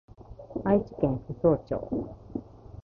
愛知県扶桑町